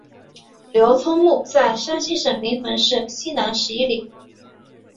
刘聪墓在山西省临汾市西南十一里。